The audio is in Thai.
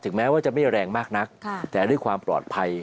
แม้ว่าจะไม่แรงมากนักแต่ด้วยความปลอดภัย